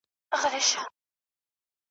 ویل یې زندګي خو بس په هجر تمامېږي `